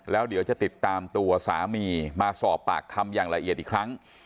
แล้วเดี๋ยวจะติดตามตัวสามีมาสอบปากคำอย่างละเอียดอีกครั้ง